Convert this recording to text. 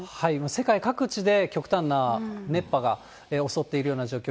世界各地で極端な熱波が襲っているような状況。